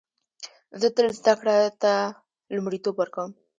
زه تل زده کړو ته لومړیتوب ورکوم